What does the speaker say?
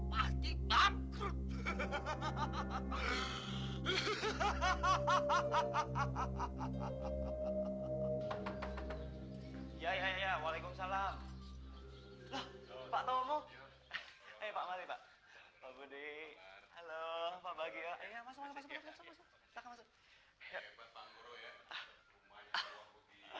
hai ya ya ya waalaikumsalam pak tomo pak budi halo pak bagio